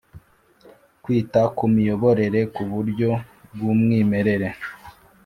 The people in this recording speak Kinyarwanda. Kwita ku imiyoborere kuburyo bw’ umwimerere